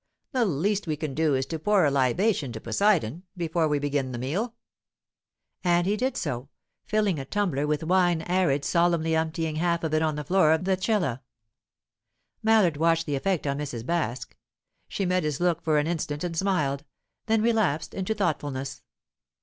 "The least we can do is to pour a libation to Poseidon, before we begin the meal." And he did so, filling a tumbler with wine arid solemnly emptying half of it on to the floor of the cella. Mallard watched the effect on Mrs. Baske; she met his look for an instant and smiled, then relapsed into thoughtfulness.